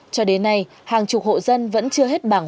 cho đến nay hàng chục hộ dân vẫn chưa hết bảng